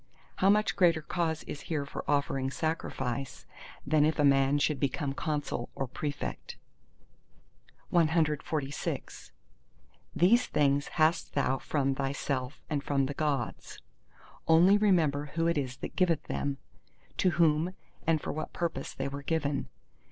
How much greater cause is here for offering sacrifice, than if a man should become Consul or Prefect? CXLVII These things hast thou from thyself and from the Gods: only remember who it is that giveth them—to whom and for what purpose they were given.